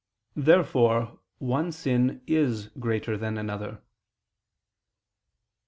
Therefore one sin is greater than another.